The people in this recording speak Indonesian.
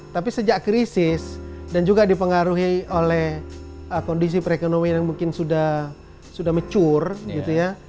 tapi sejak krisis dan juga dipengaruhi oleh kondisi perekonomian yang mungkin sudah matur gitu ya